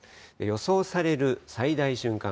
予想される最大瞬間